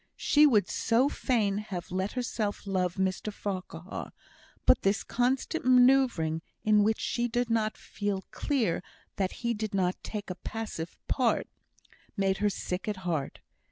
She would so fain have let herself love Mr Farquhar; but this constant manoeuvring, in which she did not feel clear that he did not take a passive part, made her sick at heart.